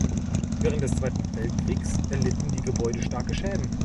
Während des Zweiten Weltkriegs erlitten die Gebäude starke Schäden.